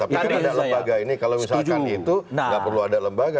tapi kan ada lembaga ini kalau misalkan itu nggak perlu ada lembaga